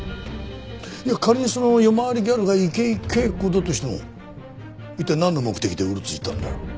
仮にその夜回りギャルが池井景子だとしても一体なんの目的でうろついたんだよ。